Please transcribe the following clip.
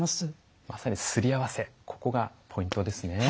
まさにすり合わせここがポイントですね。